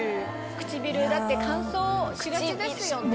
唇だって乾燥しがちですよね。